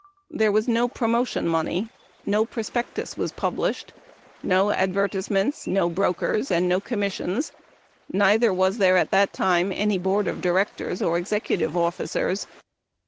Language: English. There was no promotion money, no prospectus was published, no advertisements, no brokers, and no commissions, neither was there at that time any board of directors or executive officers.